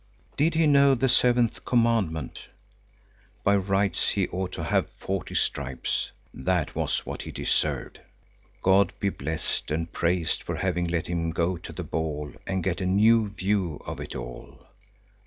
Did he know the seventh commandment? By rights he ought to have forty stripes. That was what he deserved. God be blessed and praised for having let him go to the ball and get a new view of it all.